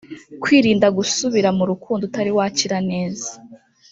Kwirinda gusubira mu rukundo utari wakira neza